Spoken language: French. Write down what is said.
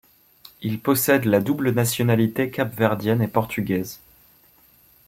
Il possède la double nationalité cap-verdienne et portugaise.